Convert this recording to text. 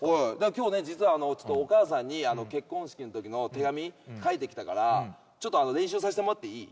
今日ね実はお母さんに結婚式のときの手紙書いてきたからちょっと練習させてもらってもいい？